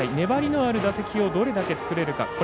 粘りのある打席をどれだけ作れるか。